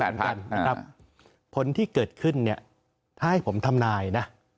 แปดพักอยู่เหมือนกันครับผลที่เกิดขึ้นเนี่ยถ้าให้ผมทำนายน่ะ